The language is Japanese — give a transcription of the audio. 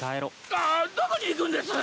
あっどこに行くんです！？